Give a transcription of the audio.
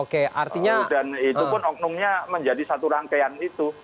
dan itu pun oknumnya menjadi satu rangkaian itu